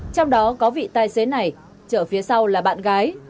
trong đó có vị tài xế này chở phía sau là bạn gái